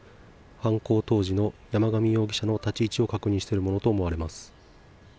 犯行当時の山上容疑者の立ち位置を確認しているものと思われます。